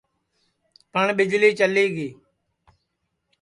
پٹؔ ٻیجݪی چلی گی